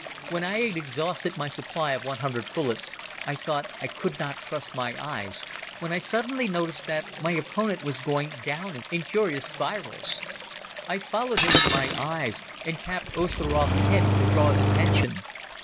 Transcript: When I had exhausted my supply of one hundred bullets I thought I could not trust my eyes when I suddenly noticed that my opponent was going down in curious spirals. I followed him with my eyes and tapped Osteroth's head to draw his attention.